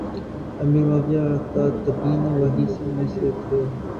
امیر معاویہ کاتبین وحی میں سے تھے